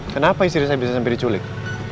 kenapa istri saya bisa sampai diculik